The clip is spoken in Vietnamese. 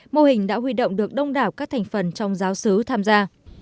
mô hình đã huy động được đông đảo các thành phần trong giáo sứ tham gia